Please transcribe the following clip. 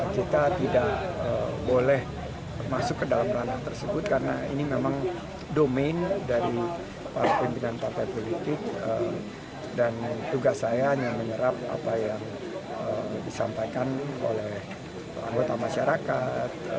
kita tidak boleh masuk ke dalam ranah tersebut karena ini memang domain dari para pimpinan partai politik dan tugas saya hanya menyerap apa yang disampaikan oleh anggota masyarakat